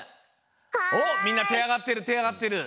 おっみんなてあがってるてあがってる。